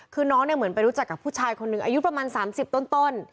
คือน้องเนี่ยเหมือนไปรู้จักกับผู้ชายคนหนึ่งอายุประมาณ๓๐ต้น